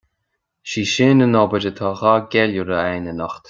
Is í sin an obair atá á gceiliúradh againn anocht